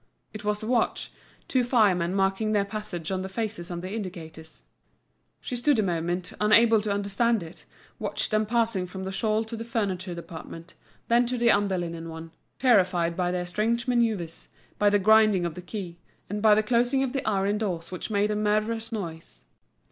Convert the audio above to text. It was the watch, two firemen marking their passage on the faces of the indicators. She stood a moment unable to understand it, watched them passing from the shawl to the furniture department, then to the under linen one, terrified by their strange manoeuvres, by the grinding of the key, and by the closing of the iron doors which made a murderous noise.